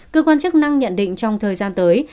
cơ quan chức năng nhận định trong thời gian tới